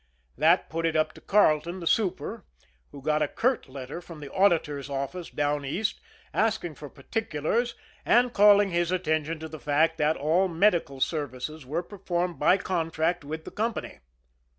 That put it up to Carleton, the super, who got a curt letter from the auditors' office down East, asking for particulars, and calling his attention to the fact that all medical services were performed by contract with the company.